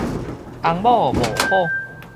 翁某無好